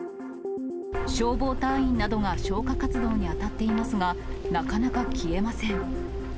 消防隊員などが消火活動に当たっていますが、なかなか消えません。